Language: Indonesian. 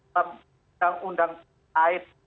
yang undang undang lima tahun dua ribu delapan belas